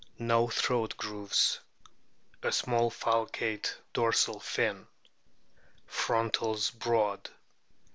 No o throat grooves. A small falcate dorsal fin. Frontals broad.